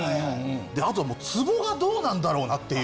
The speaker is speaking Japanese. あともうツボがどうなんだろうなっていう。